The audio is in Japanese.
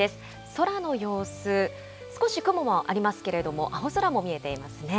空の様子、少し雲もありますけれども、青空も見えていますね。